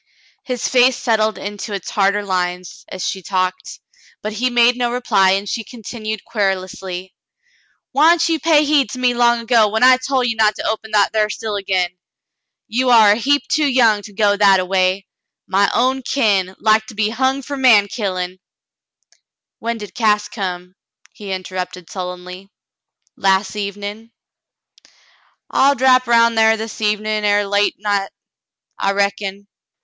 His face settled into its harder lines as she talked, but he made no reply, and she continued querulously : "Why'n't you pay heed to me long ago, when I tol' ye not to open that thar still again ? You are a heap too young to go that a way, — my own kin, like to be hung fer man killin'." "WTien did Cass come?" he interrupted sullenly. Las evenm . "I'll drap 'round thar this evenin' er late night, I reckon.